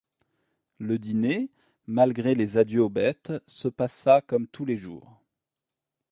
Le dîner, malgré les adieux aux bêtes, se passa comme tous les jours.